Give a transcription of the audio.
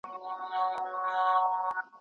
د څيړني په وخت کي خپل وخت مه ضایع کوه.